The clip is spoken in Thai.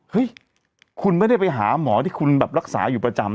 เฮ้ยคุณไม่ได้ไปหาหมอที่คุณแบบรักษาอยู่ประจำ